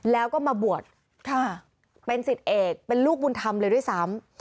แล้วก็มาบวชเป็นสิทธิเอกเป็นลูกบุญธรรมเลยด้วยซ้ำ